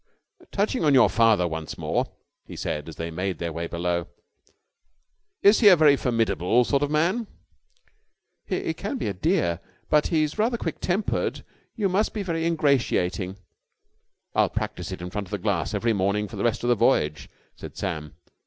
"Touching on your father once more," he said as they made their way below, "is he a very formidable sort of man?" "He can be a dear. But he's rather quick tempered. You must be very ingratiating." "I will practise it in front of the glass every morning for the rest of the voyage," said Sam.